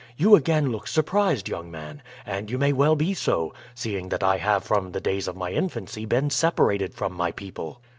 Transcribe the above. You again look surprised, young man, and you may well be so, seeing that I have from the days of my infancy been separated from my people.